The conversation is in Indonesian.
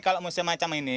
kalau musim macam ini